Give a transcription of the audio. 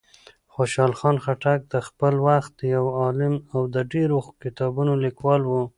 خوشحال خان خټک د خپل وخت یو عالم او د ډېرو کتابونو لیکوال و.